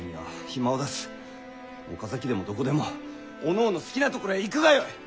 岡崎でもどこでもおのおの好きな所へ行くがよい！